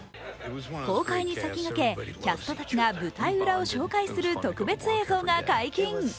公開に先駆け、キャストたちが舞台裏を紹介する特別映像が解禁。